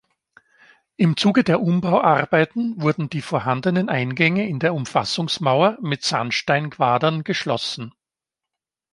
Im Zuge der Umbauarbeiten wurden die vorhandenen Eingänge in der Umfassungsmauer mit Sandsteinquadern geschlossen.